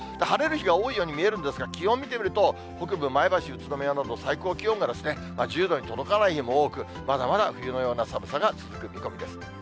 晴れる日が多いように見えるんですが、気温見てみると、北部、前橋、宇都宮など、最高気温が１０度に届かない日も多く、まだまだ冬のような寒さが続く見込みです。